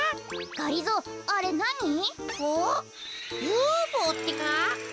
ＵＦＯってか？